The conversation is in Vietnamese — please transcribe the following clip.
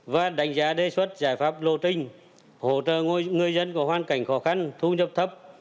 và đánh giá đề xuất giải pháp lộ trình hỗ trợ người dân có hoàn cảnh khó khăn thu nhập thấp